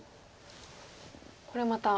これまた。